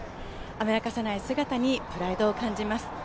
甘やかさない姿にプライドを感じます。